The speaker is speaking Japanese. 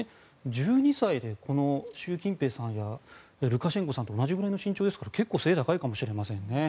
１２歳で習近平さんやルカシェンコさんと同じくらいの身長ですから結構背が高いかもしれませんね。